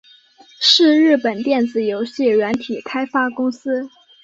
是日本电子游戏软体开发公司。